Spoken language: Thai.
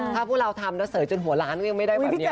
ถ้าพวกเราทำแล้วเสยจนหัวล้านก็ยังไม่ได้แบบนี้